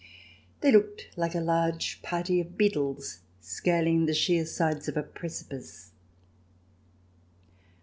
They looked like a large party of beetles scaling the sheer sides of a precipice.